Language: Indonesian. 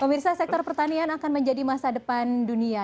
pemirsa sektor pertanian akan menjadi masa depan dunia